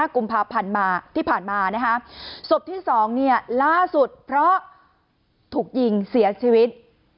กุมภาพันธ์มาที่ผ่านมาศพที่๒ล่าสุดเพราะถูกยิงเสียชีวิต